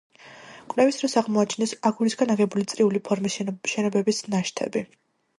კვლევის დროს აღმოაჩინეს აგურისგან აგებული წრიული ფორმის შენობების ნაშთები.